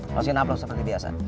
masukin aplikasi seperti biasa